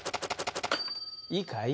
いいかい？